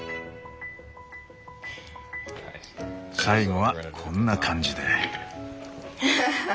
最後はこんな感じで。